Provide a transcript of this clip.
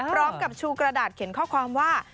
พร้อมกับชูกระดาษเขียนข้อความว่า